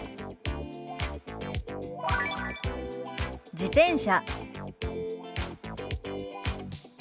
「自転車」。